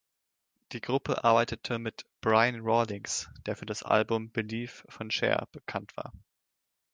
Die Gruppe arbeitete mit Brian Rawlings, der für das Album „Believe“ von Cher bekannt war.